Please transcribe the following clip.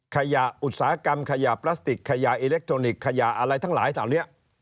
อุตสาหกรรมขยะพลาสติกขยะอิเล็กทรอนิกส์ขยะอะไรทั้งหลายเท่านี้